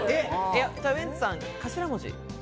ウエンツさん、頭文字。